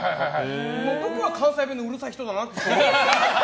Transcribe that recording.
僕は関西弁のうるさい人だなって。